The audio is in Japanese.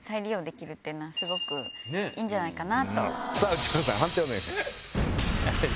内村さん判定お願いします。